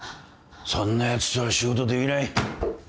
そんなやつとは仕事できない。